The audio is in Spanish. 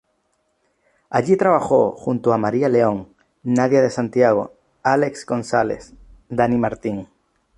Allí trabajó junto a María León, Nadia de Santiago, Álex González, Dani Martín.